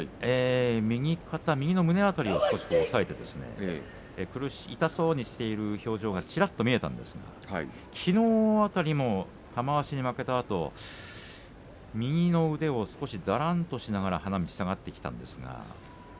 右肩、右の胸辺り、少し押さえて痛そうにしている表情がちらっと見えましたがきのう辺りも玉鷲に負けたあと右の腕を少しだらんとしながら花道を下がっていきました。